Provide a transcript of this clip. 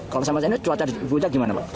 kalau sama sama ini cuaca di puncak gimana pak